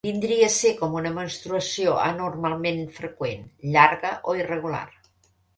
Vindria a ser com una menstruació anormalment freqüent, llarga, o irregular.